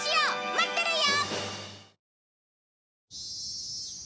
待ってるよ！